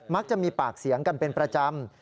จะมีปากเสียงกันเป็นประจำ